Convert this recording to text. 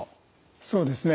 そうですね。